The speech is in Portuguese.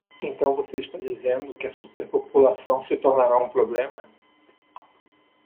Então você está dizendo que a superpopulação se tornará um problema?